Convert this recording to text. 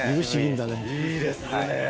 いいですね。